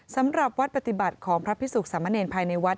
สำหรับวัดปฏิบัติของพระพิสุขสามเณรภายในวัด